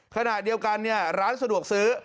ขณะเดียวกันร้านสะดวกซื้อ